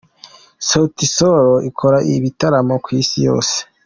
Sauti sol ikora ibitaramo ku isi yose.